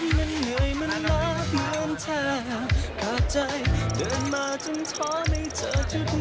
กาจใจเดินมาจนท้อไม่เจอทุกน้อย